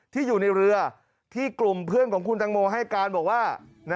ที่อยู่ในเรือที่กลุ่มเพื่อนของคุณตังโมให้การบอกว่า